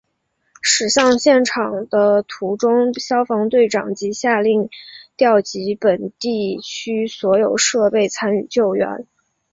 驶向现场的途中消防队长即下令调集本地区所有设备参与救援。